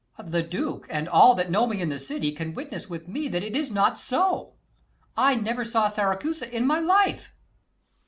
Ant. E. The Duke and all that know me in the city Can witness with me that it is not so: I ne'er saw Syracusa in my life. _Duke.